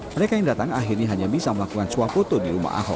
mereka yang datang akhirnya hanya bisa melakukan suap foto di rumah ahok